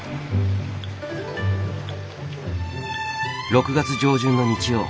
６月上旬の日曜。